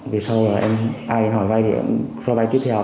vì sau là ai đến hỏi vay thì em cho vay tiếp theo